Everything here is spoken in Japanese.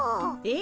え？